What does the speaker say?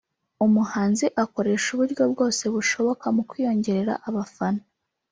umuhanzi akoresha uburyo bwose bushoboka mu kwiyongerera abafana